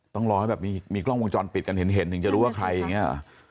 ต้องรอให้แบบมีกล้องวงจรปิดกันเห็นถึงจะรู้ว่าใครอย่างนี้หรอ